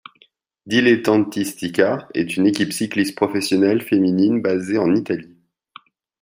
Dilettantistica est une équipe cycliste professionnelle féminine basée en Italie.